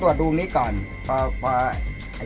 ไม่ได้เข้าข้าง